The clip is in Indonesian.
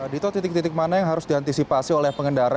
dito titik titik mana yang harus diantisipasi oleh pengendara